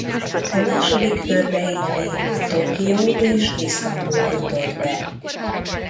A második körbe így végül Tokió és Isztambul jutott be.